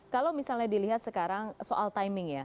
kalau misalnya dilihat sekarang soal timing ya